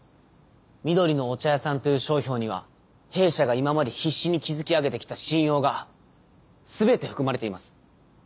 「緑のお茶屋さん」という商標には弊社が今まで必死に築き上げてきた信用が全て含まれています。